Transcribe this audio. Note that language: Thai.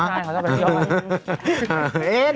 ใช่เขาชอบแบงค์ย่อย